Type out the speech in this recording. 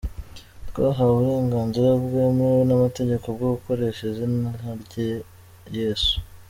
twahawe uburenganzira bwemewe n'amategeko bwo gukoresha izina rya yesu.